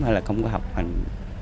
hay là không có học hành